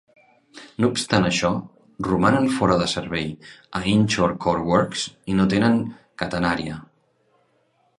No obstant això, romanen fora de servei a Inchicore Works, i no tenen catenària.